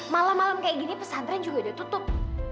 malam malam kayak gini pesantren juga udah tutup